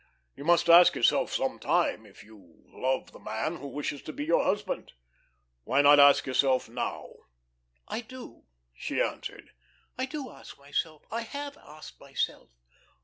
You must ask yourself some time if you love the man who wishes to be your husband. Why not ask yourself now?" "I do," she answered. "I do ask myself. I have asked myself."